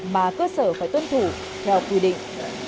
mà cơ sở phải tuân thủ theo quy định